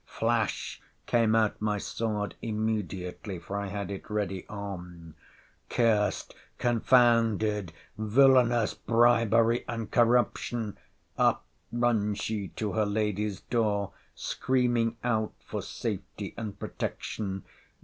Flash came out my sword immediately; for I had it ready on—Cursed, confounded, villanous bribery and corruption—— Up runs she to her lady's door, screaming out for safety and protection.